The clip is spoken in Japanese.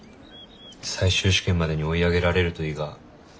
最終試験までに追い上げられるといいが。